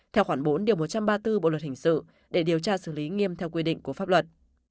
theo khoảng bốn một trăm ba mươi bốn bộ luật hình sự để điều tra xử lý nghiêm theo quy định của pháp luật